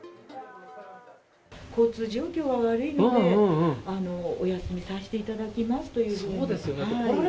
交通状況が悪いので、お休みさせていただきますというふうに。